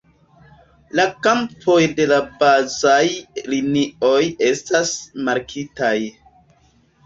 La kampoj de la bazaj linioj estas markitaj.